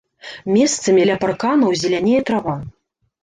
Месцамі ля парканаў зелянее трава.